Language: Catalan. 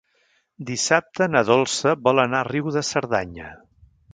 Dissabte na Dolça vol anar a Riu de Cerdanya.